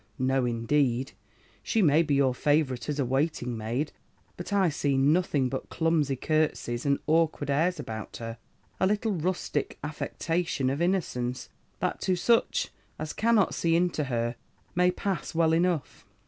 No indeed! She may be your favourite as a waiting maid; but I see nothing but clumsy curtseys and awkward airs about her. A little rustic affectation of innocence, that to such as cannot see into her, may pass well enough.'